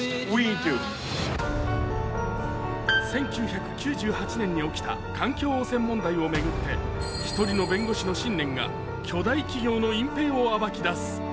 １９９８年に起きた環境汚染問題を巡って１人の弁護士の信念が巨大企業の隠ぺいを暴き出す。